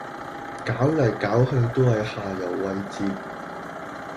搞嚟搞去都係下游位置